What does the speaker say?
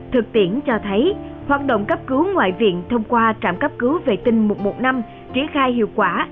thực tiễn cho thấy hoạt động cấp cứu ngoại viện thông qua trạm cấp cứu vệ tinh một trăm một mươi năm triển khai hiệu quả